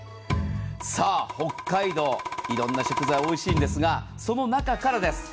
さあ北海道、いろんな食材、おいしいんですが、その中からです。